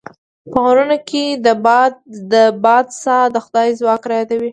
په غرونو کې د باد ساه د خدای ځواک رايادوي.